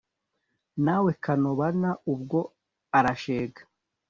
Na we Kanobana ubwo arashega